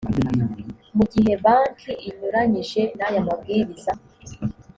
mu gihe banki inyuranyije n aya mabwiriza